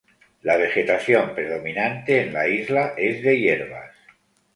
La vegetación predominante en la isla es de hierbas.